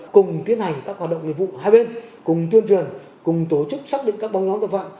cùng tiến hành các hoạt động nghiệp vụ hai bên cùng tuyên truyền cùng tổ chức xác định các bóng nhóm tội phạm